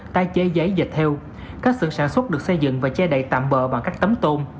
tái chế giấy dệt heo các xưởng sản xuất được xây dựng và che đầy tạm bỡ bằng các tấm tôm